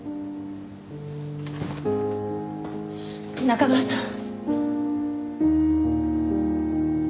中川さん！